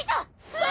うわ！